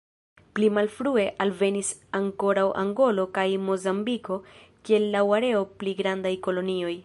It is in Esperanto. Pli malfrue alvenis ankoraŭ Angolo kaj Mozambiko kiel laŭ areo pli grandaj kolonioj.